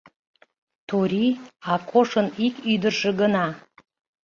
Турий — Акошын ик ӱдыржӧ гына.